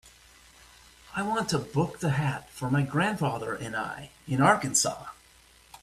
I want to book The Hat for my grandfather and I in Arkansas.